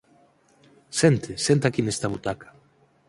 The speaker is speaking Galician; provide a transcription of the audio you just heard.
Sente, sente aquí nesta butaca.